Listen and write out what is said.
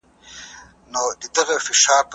ملنګه ! چې دا خلک پۀ تُندۍ چرته روان دي؟